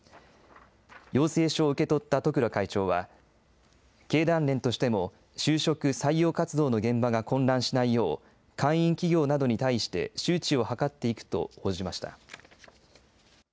要請書を受け取った十倉会長は、経団連としても就職・採用活動の現場が混乱しないよう、会員企業などに対して周知を図っていくと応じました。